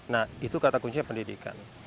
nah itu kata kuncinya pendidikan